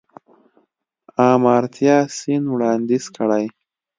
آمارتیا سېن وړانديز کړی.